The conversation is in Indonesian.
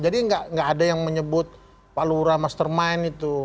jadi tidak ada yang menyebut pak lurah mastermind itu